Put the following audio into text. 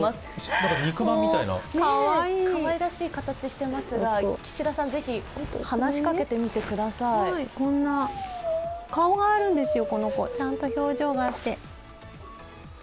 なんか肉まんみたいなかわいらしい形してますが、岸田さん、話しかけてみてください顔があるんですよ、この子。ちゃんと表情があって。